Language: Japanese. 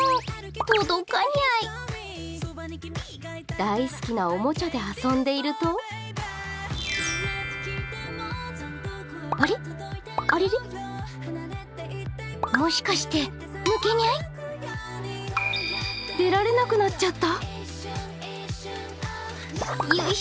大好きなおもちゃで遊んでいると出られなくなっちゃった！？